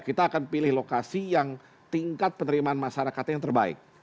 kita akan pilih lokasi yang tingkat penerimaan masyarakatnya yang terbaik